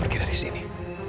pergi dari sini